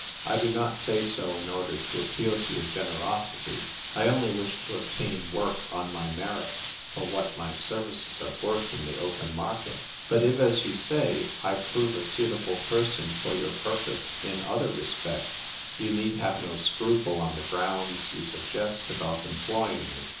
I do not say so in order to appeal to your generosity ; I only wish to obtain work on my merits for what my ser vices are worth in the open market But if, as you say, I prove a suitable person for your purpose in other respects, you need have no scruple on the grounds you suggest about employing me.